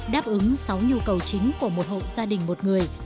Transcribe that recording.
đáp ứng sáu nhu cầu chính của một hộ gia đình một người